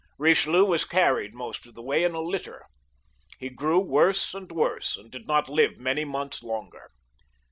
Richelieu was carried most of the way in a litter. He grew worse and worse, and did not live many months longer.